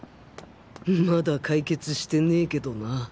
まだ解決してねぇけどな